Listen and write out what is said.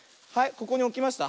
ここにおきました。